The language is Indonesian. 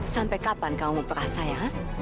sampai kapan kamu memperkas saya